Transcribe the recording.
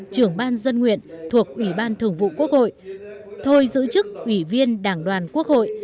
trưởng ban dân nguyện thuộc ủy ban thường vụ quốc hội thôi giữ chức ủy viên đảng đoàn quốc hội